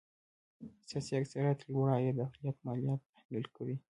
سیاسي اکثريت لوړ عاید اقلیت ماليات تحمیل کوي.